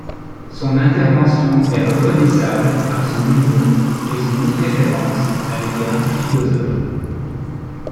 Son intervention est reconnaissable par son humour et son irrévérence à l'égard du philosophe.